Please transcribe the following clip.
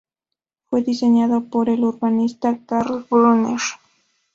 Fue diseñado por el urbanista Karl Brunner.